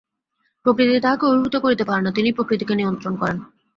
প্রকৃতি তাঁহাকে অভিভূত করিতে পারে না, তিনিই প্রকৃতিকে নিয়ন্ত্রিত করেন।